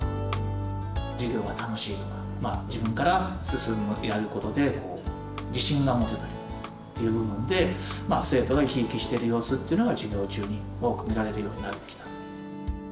授業が楽しいとか自分から進むやることで自信が持てたりとかという部分で生徒が生き生きしてる様子っていうのが授業中に多く見られるようになってきた。